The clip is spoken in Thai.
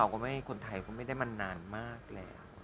คนไทยก็ไม่ได้มานานมากแล้ว